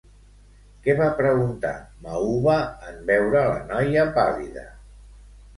Què va preguntar Mauva en veure la noia pàl·lida?